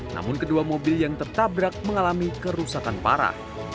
namun kedua mobil yang tertabrak mengalami kerusakan parah